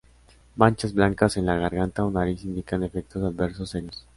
Manchas blancas en la garganta o nariz indican efectos adversos serios.